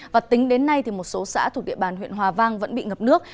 và tính đến nay một số xã thuộc địa bàn huyện hòa vang vẫn bị ngập nước